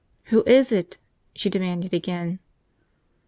"Who is it?" she demanded again.